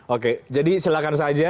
oke jadi silakan saja